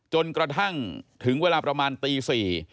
จนกระทั่งถึงเวลาประมาณตี๔